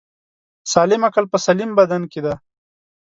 سالم عقل په سلیم بدن کی دی